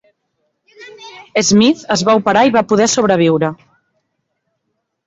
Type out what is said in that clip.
Smith es va operar i va poder sobreviure.